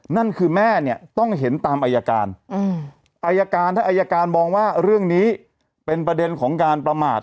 นั่นคือแม่เนี่ยต้องเห็นตามอายการอายการถ้าอายการมองว่าเรื่องนี้เป็นประเด็นของการประมาท